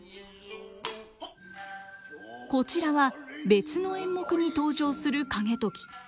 こちらは別の演目に登場する景時。